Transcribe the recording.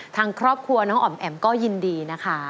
ทางครอบครัวน้องอ๋อมแอ๋มก็ยินดีนะคะ